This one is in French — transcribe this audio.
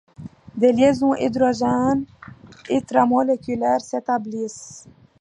Des liaisons hydrogène intramoléculaires s'établissent.